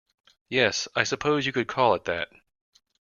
Yes, I suppose you could call it that.